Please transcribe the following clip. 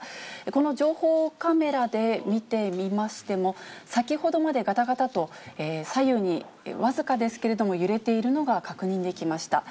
この情報カメラで見てみましても、先ほどまで、がたがたっと、左右に僅かですけれども、揺れているのが確認できました。